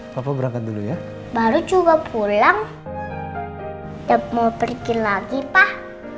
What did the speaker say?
papa berangkat dulu ya baru juga pulang dan mau pergi lagi pak